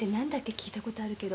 聞いたことあるけど。